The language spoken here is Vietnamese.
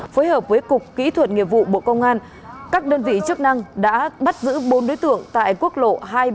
phối hợp với cục kỹ thuật nghiệp vụ bộ công an các đơn vị chức năng đã bắt giữ bốn đối tượng tại quốc lộ hai trăm bốn mươi